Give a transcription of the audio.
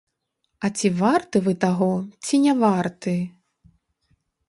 А ці варты вы таго ці не варты?